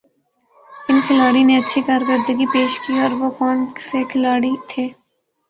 کن کھلاڑی نے اچھ کارکردگی پیشہ کی اور وہ کونہ سے کھلاڑی تھے